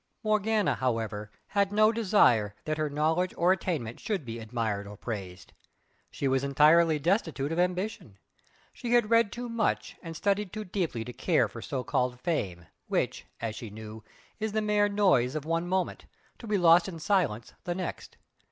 Morgana, however, had no desire that her knowledge or attainment should be admitted or praised. She was entirely destitute of ambition. She had read too much and studied too deeply to care for so called "fame," which, as she knew, is the mere noise of one moment, to be lost in silence the next.